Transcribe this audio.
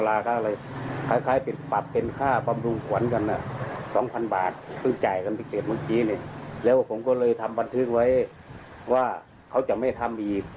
แล้วผมก็เลยทำบันทึกไว้ว่าเขาจะไม่ทำอีก